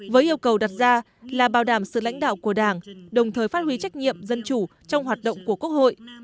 với yêu cầu đặt ra là bảo đảm sự lãnh đạo của đảng đồng thời phát huy trách nhiệm dân chủ trong hoạt động của quốc hội